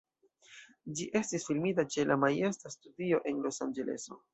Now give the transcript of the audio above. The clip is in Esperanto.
Ĝi estis filmita ĉe la Majesta Studio en Los-Anĝeleso.